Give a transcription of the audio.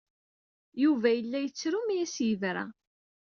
Yuba yella yettru mi as-yebra.